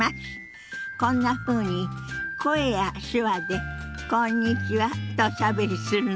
こんなふうに声や手話で「こんにちは」とおしゃべりするの。